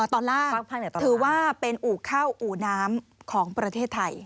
ตอนล่างถือว่าเป็นอู่เข้าอู่น้ำของประเทศไทย